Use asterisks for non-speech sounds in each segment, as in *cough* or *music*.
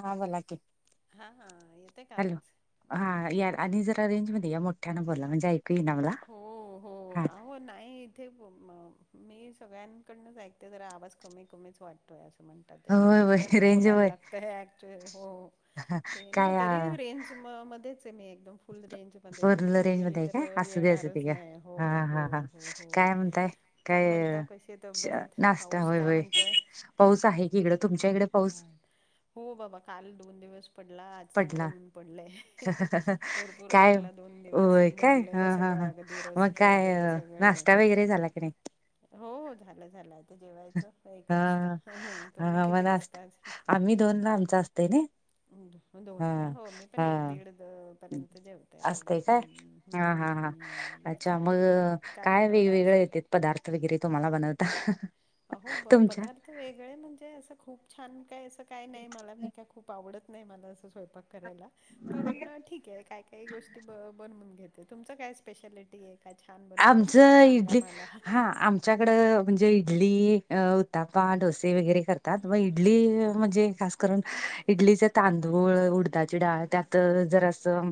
हां, बोला की. हा, हा, येतंय का हॅलो आवाज, हा हम्म. या आणि जरा रेंज मध्ये या, मोठ्यान बोला म्हणजे ऐकू येईना मला हो हा. अहो हो नाही इथे मी सगळ्यांकडनंच ऐकते, जरा आवाज कमी कमीच वाटतोय असं. ते तू होय जोऱ्याने होय रेंज बोलायला होय लागतंय, अक्युचअल, हो. ते नाही काय तरी रेंज मध्येच आहे. मी एकदम फुल रेंज मध्येच आहे. तिकडे गेली तर, असुदे असुदे येणारच घ्या, नाही हो हा हो हा हा हो हो काय म्हणताय, काय. म्हणता कशी तब्येत नाष्टा, पाऊस होय काय होय म्हणतोय पाऊस आहे की इकडं. तुमच्या इकडे, हा, पाऊस हो बाबा काल दोन दिवस. पडला आज चांगलं पडला ऊन पडलय, भरपूर काय पडला दोन दिवस होय काय हा भरलेलं हा हा सगळं. मग रस्ते काय वगैरे सगळे, नाश्ता वगैरे झाला की नाही हो हो झालं झालं. जेवायचं, एक वाजता हा तुम्ही हा मग किती वाजता. आज नाश्ता आम्ही दोन ला, आमचा असतय नयी दोन ला, हो मी पण एक दीड पर्यंत जेवते आपलं. असतय काय हा, हा, हम्म हा, हम्म अच्छा काय मग ज- काय बनवलं आज वेगवेगळे. ते पदार्थ वगैरे तुम्हाला बनवता. अहो तुमच्या पदार्थ वेगळे म्हणजे, असं खूप छान काय असं काय नाही, मला मी काय खूप आवडत. नाही मला अस स्वयंपाक करायला. पण ठीके काय काही गोष्टी बनवून घेते. तुमचं काय स्पेशालिटी आहे. काय छान बनवत असाल तर सांगा मला. आमच्याकडे म्हणजे इडली उत्ताप्पा, डोसे वगैरे करतात. व इडली. म्हणजे खास करून इडलीचे तांदूळ, उडदाची डाळ त्यात जरासं.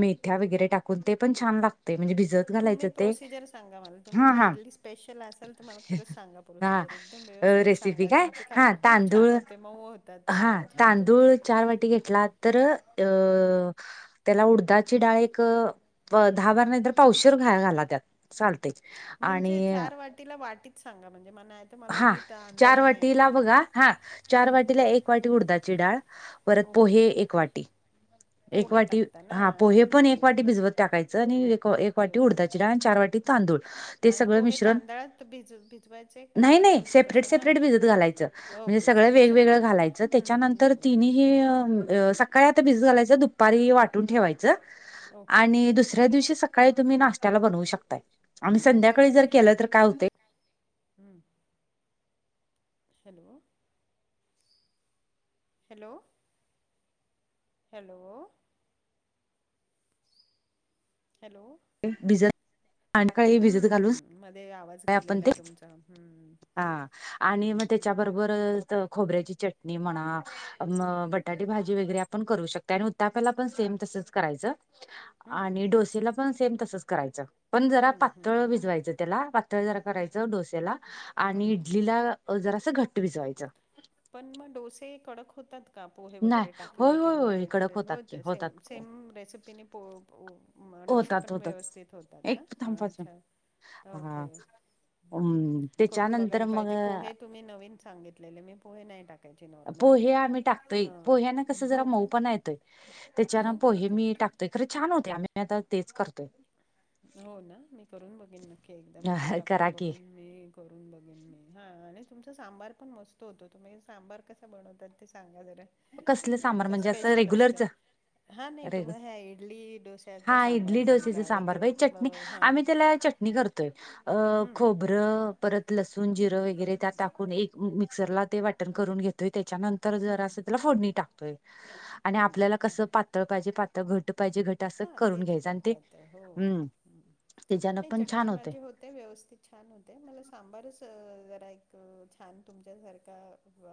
मेथ्या वगैरे टाकून ते पण छान लागतंय, म्हणजे भिजत तुम्ही घालायचं. ते प्रोसिजर सांगा. मला तुम्ही हा जर हा इडली स्पेशल असाल, तर मला खरच सांगा. हा प्रोसिजर एकदम व्यवस्थित रेसिपी सांगा. काय तुमचे कारण हा खूप तांदूळ छान होते. मऊ होतात. हा छान तुमच्या तांदूळ चार वाटी घेतला तर, अ त्याला उडदाची डाळ, एक दहा भार नाही तर पावशेर डाळ घालात. चाततयं. म्हणजे चार वाटीला वाटीत सांगा. म्हणजे मला तर मला हा नीट अंदाज चार नाही वाटीला येणार हं, बघा, हा चार हं, वाटीला एक वाटी उडदाची डाळ. परत ओके पोहे एक वाटी. एक पोहे वाटी टाकता ना हा पोहे ओके पण एक वाटी भिजवत टाकायचं, आणि एक ओके वाटी ओके उडदाची डाळ. चार वाटी तांदूळ. ते आणि सगळं पोहे मिश्रण तांदळात भिजत. नाही नाही सेपरेट सेपरेट भिजत घालायचं, म्हणजे ओके सगळं वेगवेगळं सेपरेट घालायचं. हम्म, त्याच्यानंतर, वेगळं तिन्ही हम्म, हे. अ सकाळी आता भिझत घालायचं. दुपारी वाटून ठेवायचं. ओके आणि हम्म, दुसऱ्या दिवशी सकाळी, सकाळी तुम्ही नाश्त्याला बनवू शकताय, आणि ओके संध्याकाळी जर ओके केलं तर चालेल काय होतय. हम्म. Hello, hello. हॅलो. हॅलो. *unintelligible* संध्याकाळी हम्म भिजत हम् घालून हम् मध्ये आवाज सकाळी आपण गेलेला ते तुमचा. हम्म, हा आणि मग हम्म हम्म त्याच्याबरोबर खोबऱ्याची चटणी म्हणा. मग बट बटाटे भाजी वगैरे आपण करू शकत. आणि उताप्याला पण सेम तसच करायचं हम्म आणि डोसेला पण सेम तसच करायच पण जरा हम्म हम्म पातळ भिजवायचं त्याला पातळ जरा करायच. च डोसेला आणि हम्म. इडलीला जरास घट्ट भिजवायच. पण मग डोसे कडक होतात. का पोहे नाही वगैरे टाकले होय होय किंवा हे होय कडक एखादे वेळेस होतात होत की सेम होतात सेम रेसिपीने पो प मग डोसे होतात पण होतात व्यवस्थित होतात ना? एक थांब हा पाच छांन. हा ओके. हम्म अम करून त्याच्यानंतर बघायला मग पाहिजे. पोहे तुम्ही नवीन सांगितलेले मी पोहे नाही टाकत. पोहे आम्ही टाकतोय. पोह्या ना कस जरा हो का मऊ पणा येतोय. त्याच्यान ओके पोहे ओके मी ओके टाकतोय. खर छान होतय. आम्ही आता तेच करतोय. हो ना मी करून बघेन नक्की एकदा पोहे करा टाकून की बघेन मी. करून बघेन मी. हा आणि तुमच सांबार पण मस्त होतो तुम्ही सांबार कसा बनवतात ते सांगा जरा. कसलं सांबार तुमचं म्हणजे असं स्पेशल असत. रेग्युलरच हा नाही अरे तुम्हाला ह्या इडली डोश्याचा सांबार तुमचा एक पर बई चटणी हा आम्ही त्याला चटणी करतोय अ हम्म खोबर परत लसूून जिरे वगैरे त्यात टाकून एक मिक्सरला ते वाटण करून घेतोय त्याच्यानंतर जरा हम्म अस - - ला फोडणी टाकतोय आणि हम्म आपल्याला कसं पातळ पाहिजे पातळ. घट्ट पाहिजे घट्ट. हा ते तर करता येतय. हो -हो. त्याच्यानं नाही पण चटणी छान होतय. माझी होते. ते व्यवस्थित छान होते. मला सांबारच जरा एक छान तुमच्यासारखा व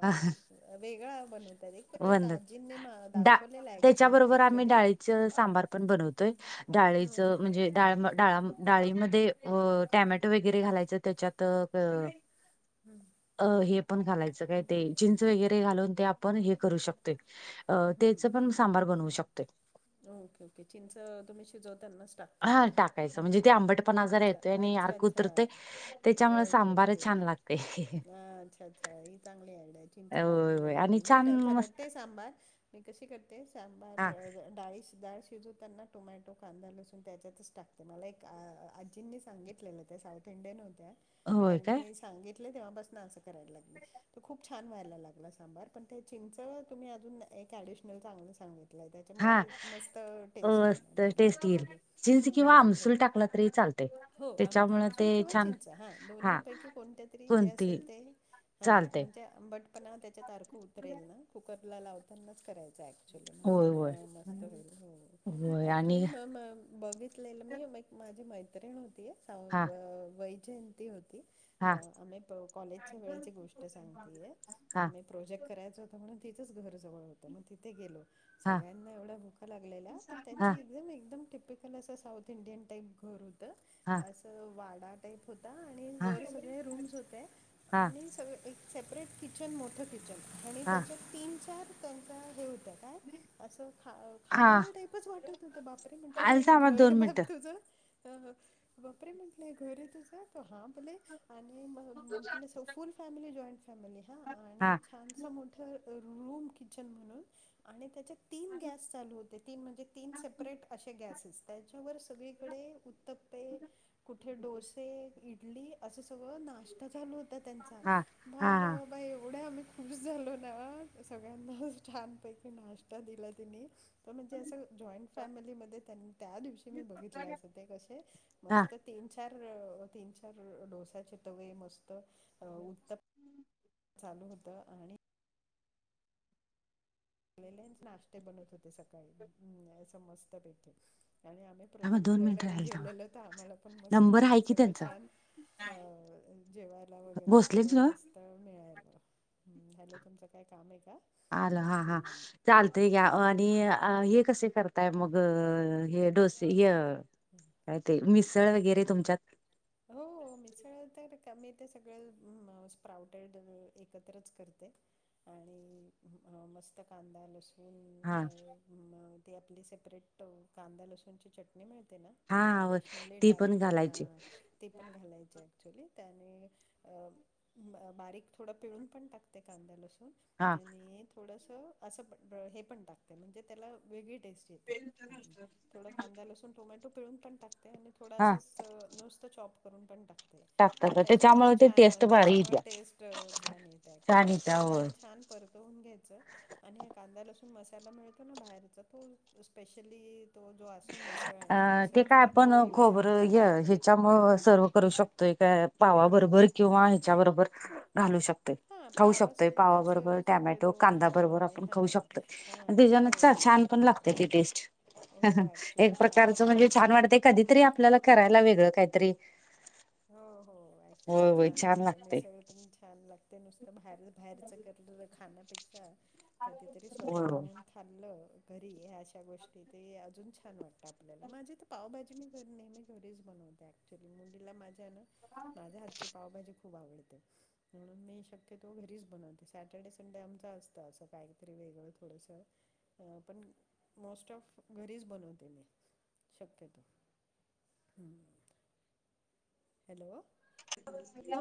व वेगळा बनवत तर एक -एक बंद आजींनी मला दाखवलेला ऍक्च्युल ॲक्चुयली च सांबार पण बनवतोय. डाळीचं ओके म्हणजे डाळ डाळा -म डाळीमध्ये अ टॅमॅटो वगैरे घालायचं त्याच्यात हम्. अ हे पण घालायचं काय ते चिंच वगैरे घालून ते आपण हे करू शकतोय. अ हम्म तेचं पण सांबार बनवू शकतोय. ओके ओके चिंचं तुम्ही शिजवतांनाच टाक हा ताना. टाकायचं म्हणजे ते आंबटपणा जरा अच्छा येतोय आणि अच्छा अर्क अच्छा उतरतय त्याच्यामुळे ओके ओ सांबार -के. छान लागतय. अ अच्छा अच्छा ही चांगली आयड्या आहे चिंच होय टाकून होय बघेन आणि मी. मी छान मस्त करते सांभार. मी कशी करते सांबार हा डाळी डाळ शिजवताना टोमॅटो, कांदा लसूण त्याच्यातच टाकते मला एक आजींनी सांगितलेलं. त्या साऊथ इंडियन होत्या होय काय त्यांनी सांगितले तेव्हा पासन असं करायला लागले. त खूप छान व्हायला लागल सांबार पण ते चिंच तुम्ही अजून एक ऍडिशनल चांगलं सांगितलंय त्या हा त्याच्यामुळे मस्त टेस्ट अ येनार त्याला टेस्ट येईल ॲक्चुयली. चिंच किंवा आमसूल टाकला तरी चालते हो आम त्याच्यामुळे आमचो ते किंवा छान चिंच हां हा दोन्हीपैकी कोणत्या तरी जे कोणती असेल ते हां चालते म्हणजे आंबट पणा त्याच्यात अर्क उतरेल ना कुकरला लावतानाच करायचं ऍक्च्युली म्हणजे होय म होय मस्त होईल. हो. होय ऍक्चुली आणि म म बघि असलेलं मी म एक माझी मैत्रिण होती. सावंत हा वैजयंती होती. हा आम्ही कॉलेजच्या वेळेची गोष्ट सांगतेय हा आम्ही प्रोजेक्ट करायचं होत. म्हणून तिचंच घर जवळ होतं मग तिथे गेलो. हा सगळ्यांना एवढा भुका लागलेल्या पण त्यांच हा ज म एकदम टिपिकल असं साऊथ इंडियन टाईप घर होतं हा असं वाडा टाईप होता. आणि हा वर सगळे रूम्स होते हा आणि सगळे एक सेपरेट कि किचन मोठं किचन आणि हा त्याच्यात तीन चार त्यांच्या हे होत्या. काय? असं ख हा खानावळ टाईपच वाटत होत बापरे म्हटलं आल हे थांबा घरयं दोन बाप मिनिटं तुझं? अ ह - बापरे म्हटलेय हे घर आहे तुझ? हा बले आणि मग म्हटलं असं फुल फॅमिली, जॉईंट फॅमिली हा. आणि हा छानस मोठ रूम किचन म्हणून आणि त्या चे तीन गॅस चालू होते. तीन म्हणजे तीन सेपरेट असे गॅसेस. त्याच्यावर सगळीकडे उत्तप्पे, कुठे डोसे - इडली असं सगळं नाष्ट्ता चालू होता त्यांचा. हा हा बा हा बाबा बा! एवढ्या आम्ही खुश झालो ना, सगळ्यांनाच छानपैकी नाश्त ता दिला तिनी. त म्हणजे असं जॉईंट फॅमिलीमध्ये त्यांनी त्या दिवशी मी बघितलं असं ते कसे, हा मस्त तीन चार तीन चार डोश्याचे तवे मस्त. उत चालू होत आणि आलेलेच नाश्ते बनत होते सकाळी. म असं मस्तपैकी. आणि आम्ही थांबा प्रोजेक्ट दोन करायला मिनिटं एव राहील थांबा गेलेलो तर आम्हाला पण मस्त नंबर आहे पैकी की सगळं त्यांचा छान अ जेवायला वगैरे भोसलेच सगळं ना मस्त. तर मिळायल. हं, हॅलो तुमचं काय काम आहे का? आल, हा हा. हम्म, चालतय की. आणि हम्म. हे कसे कर ताय मग अ हे डोसे य काय ते मिसळ वगैरे तुमच्यात? हो *inaudible* मिसळ तर का मी ते सगळ अं स्प्राउटेड एकत्रच करते. आणि अं मस्त कांदा लस सून हा अ अं ते आपली सेपरेट कांदा लसूणची चटणी मिळते ना, ती हा ऍडिशनली ती पण टाकते. हा. घालायची. ती पण घालायची ॲक्च्युली. त्याने अ बारीक थोडं पिळून पण टाकते कांद्या लसून. हा आणि थोडस असं पण हे पण टाकते म्हणजे त्याला वेगळी टेस्ट येते. हं, थोड असं कांदा लसूण टोमॅटो लूनोमटो पिळून पण टाकते आणि थोड हा असं नुस त चॉप करून पण टाक ते. तर टाकतात त्याच्यामुळे ते छान टेस्ट भारी त्याच्यामुळे येत्या. टेस्ट छान येतं ॲक्च्युली. छानयेत्या छान होय. आणि छान परतवून घ्यायचं. आणि ह कांदा लसूून मसाला मिळतो ना बाहेरचा तो स्पेशली तो जो असो मिसळ अ मिसळचा ना तो युज करते मी. त्याच्यामुळे सर्व करू शकतोय काय पावाबरोबर किंवा ह्याच्याबरोबर, घालू शकतोय, हा खाऊ शकतोय पावासोबतच पावाबरोबर, टॅमॅटो शक्यतो कांदा्या खातो बरोबर आम्ही आपण हा. खाऊ हा शकतोय. तेजना हो च हो छान पण लागते ती टेस्ट. हो, ऍ एक प्रकारचं म्हणजे छान वाटतं. कधीतरी आपल्याला करायला वेगळ काहीतरी. हो हो. होय ऍक्च्युली होय छान वाटतं. लागतय. मिसळ पण छान लागत ते नुसतं बाहेर बाहेरचं करलंलं खाण्यापेक्षा कधीतरी स्वतः होय होय बनवून खाल्लं घरी अशा गोष्टी, ते अजून छान वाटतं आपल्याला. माझे तर पावभाजी मी कर नेहमी घरीच बनवते ॲक्च्युली. मुलीला माझ्या ना, माझ्या हातची पावभाजी खूप खूप आवडते. म्हणून मी शक्यतो घरीच बनवते. सॅटर्डे संडे आमचा असत असं काहीहीतरी वेगळं थोडंस. अ पण मोस्ट ऑफ घरीच बनवते मी शक्यतो. हं. हॅलो, *inaudible*